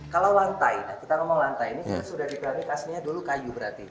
kalau lantai kita ngomong lantai ini sudah diperanik aslinya dulu kayu berarti